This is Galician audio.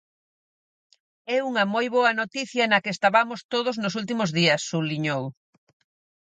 "É unha moi boa noticia na que estabamos todos nos últimos días", subliñou.